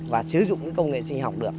và sử dụng công nghệ sinh học được